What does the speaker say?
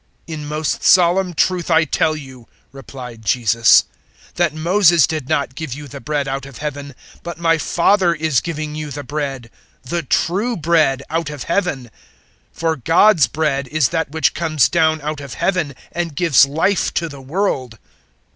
006:032 "In most solemn truth I tell you," replied Jesus, "that Moses did not give you the bread out of Heaven, but my Father is giving you the bread the true bread out of Heaven. 006:033 For God's bread is that which comes down out of Heaven and gives Life to the world."